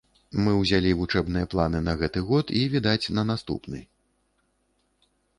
Мы ўзялі вучэбныя планы на гэты год і, відаць, на наступны.